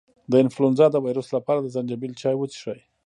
د انفلونزا د ویروس لپاره د زنجبیل چای وڅښئ